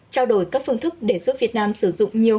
trao đổi các phương thức để giúp việt nam sử dụng nhiều